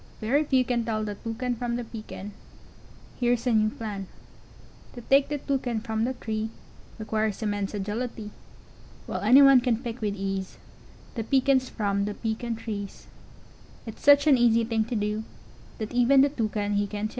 ] Very few can Tell the Toucan From the Pecan Here's a new plan: To take the Toucan from the tree, Requires im mense a gil i tee, While any one can pick with ease The Pecans from the Pecan trees: It's such an easy thing to do, That even the Toucan he can too.